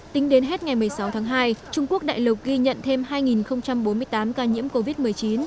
tính đến hết ngày một mươi sáu tháng hai trung quốc đại lục ghi nhận thêm hai bốn mươi tám ca nhiễm covid một mươi chín